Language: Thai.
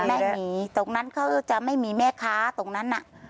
ไม่มีตรงนั้นเขาจะไม่มีแม่ค้าตรงนั้นน่ะ